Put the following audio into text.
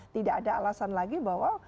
tidak ada alasan lagi bahwa